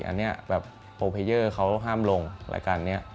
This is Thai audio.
อันนี้แบบโพเพยอร์เขาห้ามลงรายการนี้